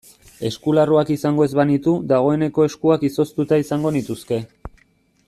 Eskularruak izango ez banitu dagoeneko eskuak izoztuta izango nituzke.